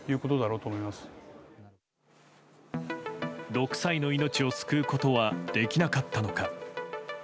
６歳の命を救うことはできなかったのか。